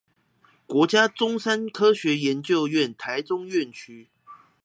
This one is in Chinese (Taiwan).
國家中山科學研究院臺中院區